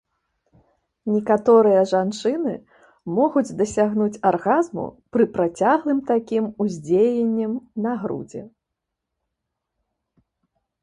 Некаторыя жанчыны могуць дасягнуць аргазму пры працяглым такім уздзеяннем на грудзі.